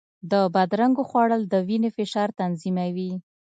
د بادرنګو خوړل د وینې فشار تنظیموي.